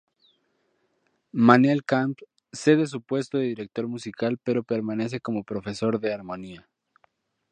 Manel Camp, cede su puesto de director musical pero permanece como profesor de Armonía.